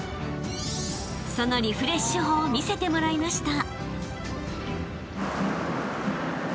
［そのリフレッシュ法を見せてもらいました］